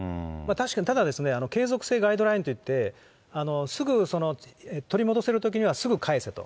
ただ、継続性ガイドラインといって、すぐ取り戻せるときにはすぐ返せと。